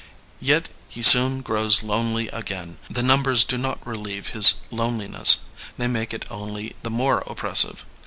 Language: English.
'' Yet he soon grows lonely again. The numbers do not relieve his loneliness ; they make it only the more oppressive.